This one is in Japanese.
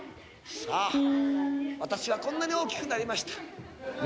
さあ私はこんなに大きくなりました」